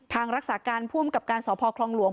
ทางรักษาการภูมิกับการสอบพอครองหลวง